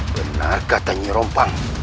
benarkah tanyi rompang